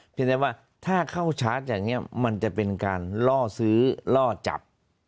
ได้ว่าถ้าเข้าชาร์จอย่างนี้มันจะเป็นการล่อซื้อล่อจับ